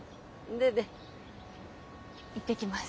行ってきます。